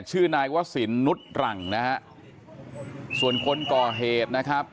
ชื่อนายวศิลป์งุฏรั่งส่วนคนขอเหตุนะครับ